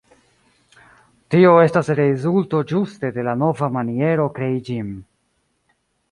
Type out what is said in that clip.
Tio estas rezulto ĝuste de la nova maniero krei ĝin.